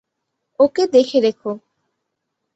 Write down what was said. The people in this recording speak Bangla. ওকে দেখে রেখো।